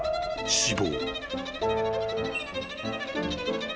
死亡］